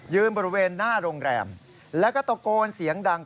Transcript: บริเวณหน้าโรงแรมแล้วก็ตะโกนเสียงดัง